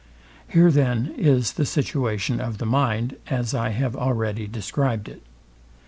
Here then is the situation of the mind, as I have already described it.